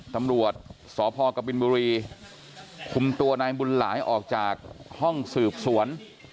ตำรวจสพกบินบุรีคุมตัวนายบุญหลายออกจากห้องสืบสวน